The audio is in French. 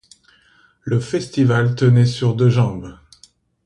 Le festival tenait sur deux jambes.